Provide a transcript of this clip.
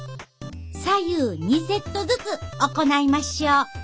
左右２セットずつ行いましょ。